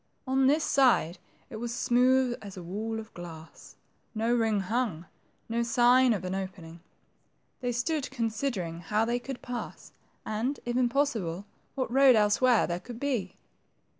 On this side, it was smooth as a wall of glass ; no ring hung ; no sign of an opening. They stood considering how they could pass, and, if impossible, what road elsewhere thqre could be.